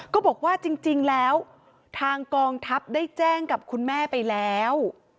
ก็บอกว่าจริงแล้วทางกองทัพได้แจ้งกับคุณแม่ไปแล้ว